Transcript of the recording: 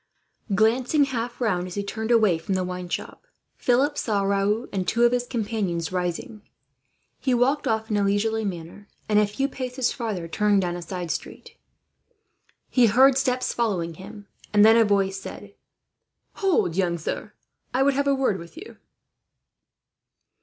Glancing half round, as he turned away from the wine shop, Philip saw Raoul and two of his companions rising. He walked off in a leisurely manner and, a few paces farther, turned down a side street. He heard steps following him, and then a voice said: "Hold, young sir. I would have a word with you."